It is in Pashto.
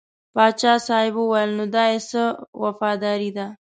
پاچا صاحب وویل نو دا یې څه وفاداري ده.